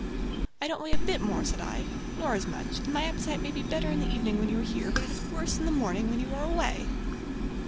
"I don't weigh a bit more," said I, "nor as much; and my appetite may be better in the evening, when you are here, but it is worse in the morning when you are away."